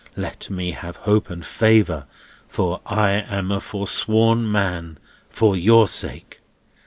Let me have hope and favour, and I am a forsworn man for your sake."